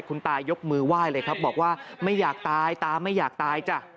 คุณตายกมือไหว้เลยครับบอกว่าไม่อยากตายตาไม่อยากตายจ้ะ